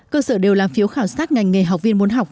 cơ sở đều làm phiếu khảo sát ngành nghề học viên muốn học